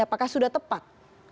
apakah sudah tepat